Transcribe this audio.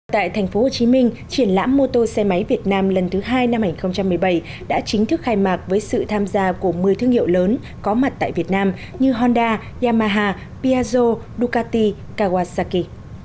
tại thành phố hồ chí minh triển lãm mô tô xe máy việt nam lần thứ hai năm hai nghìn một mươi bảy đã chính thức khai mạc với sự tham gia của một mươi thương hiệu lớn có mặt tại việt nam như honda yamaha piazzo ducati kawasaki